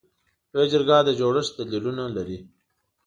لویه جرګه د جوړښت دلیلونه لري.